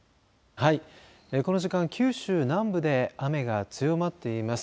この時間九州南部で雨が強まっています。